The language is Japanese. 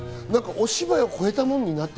お芝居を超えたものになって。